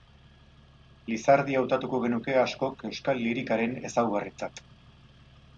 Lizardi hautatuko genuke askok euskal lirikaren ezaugarritzat.